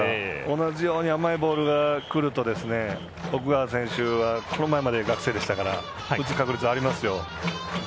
同じように甘いボールがくると奥川選手はこの前まで学生でしたから打つ確率はありますよ。